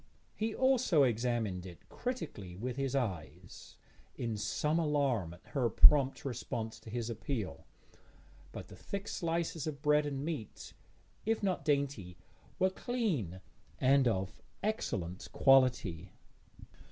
He also examined it critically with his eyes, in some alarm at her prompt response to his appeal, but the thick slices of bread and meat, if not dainty, were clean, and of excellent quality.